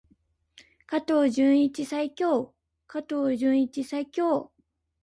加藤純一最強！加藤純一最強！